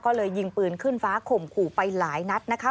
ก็เลยยิงปืนขึ้นฟ้าข่มขู่ไปหลายนัดนะคะ